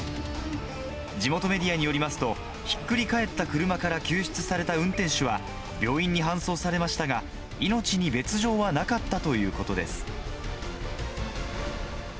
地元メディアによりますと、ひっくり返った車から救出された運転手は、病院に搬送されましたが、命に別状はなかったということです。